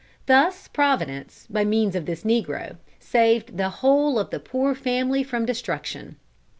Thus Providence, by means of this negro, saved the whole of the poor family from destruction."